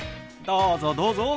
どうぞどうぞ。